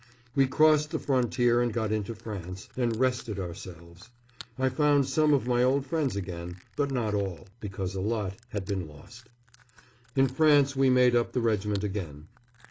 We crossed the frontier and got into France, and rested ourselves. I found some of my old friends again, but not all, because a lot had been lost. In France we made up the regiment again.